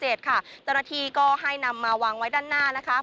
เจ้าหน้าที่ก็ให้นำมาวางไว้ด้านหน้านะคะ